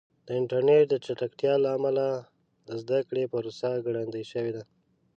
د انټرنیټ د چټکتیا له امله د زده کړې پروسه ګړندۍ شوې ده.